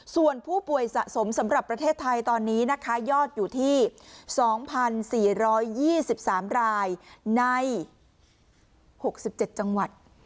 ส่วนผู้ป่วยสะสมสำหรับประเทศไทยตอนนี้นะคะยอดอยู่ที่๒๔๒๓รายใน๖๗จังหวัด